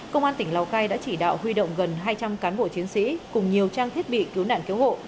công an tỉnh lào cai đã chỉ đạo huy động gần hai trăm linh cán bộ chiến sĩ cùng nhiều trang thiết bị cứu nạn cứu hộ